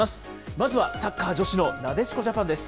まずはサッカー女子のなでしこジャパンです。